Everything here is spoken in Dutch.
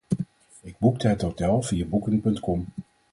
Ik boekte het hotel via Booking.com.